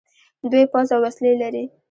دوی پوځ او وسلې لري.